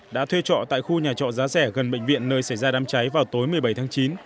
đã thuê trọ tại khu nhà trọ giá rẻ gần bệnh viện nơi xảy ra đám cháy vào tối một mươi bảy tháng chín